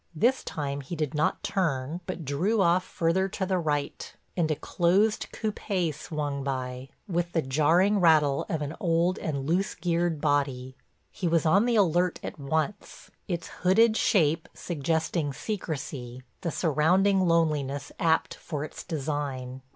This time he did not turn but drew off further to the right, and a closed coupé swung by, with the jarring rattle of an old and loose geared body. He was on the alert at once, its hooded shape suggesting secrecy, the surrounding loneliness apt for its design.